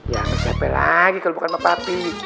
ya gak siapa lagi kalau bukan sama pak pi